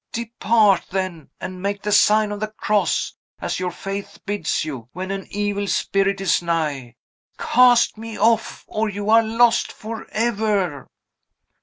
Depart, then; and make the sign of the cross, as your faith bids you, when an evil spirit is nigh. Cast me off, or you are lost forever."